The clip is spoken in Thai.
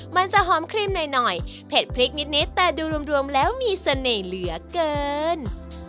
มันจะหอมครีมหน่อยเผ็ดพริกนิดแต่ดูรวมแล้วมีเสน่ห์เหลือเกิน